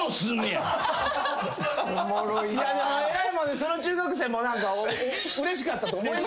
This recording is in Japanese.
でもその中学生も何かうれしかったと思いますよ。